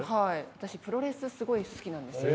私プロレスすごい好きなんですよ。